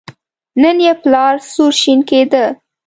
نن یې پلار سور شین کېده.